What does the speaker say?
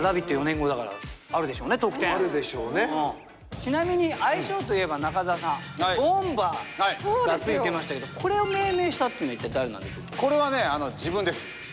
ちなみに愛称といえば中澤さんボンバーが付いてましたけどこれを命名したっていうの一体誰なんでしょう？